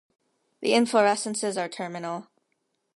The inflorescences are terminal.